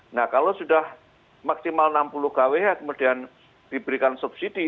nah kalau sudah maksimal enam puluh kwh kemudian diberikan subsidi